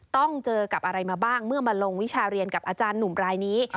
ต้องเจอกับอะไรมาบ้างเมื่อมาลงวิชาเรียนกับอาจารย์หนุ่มรายนี้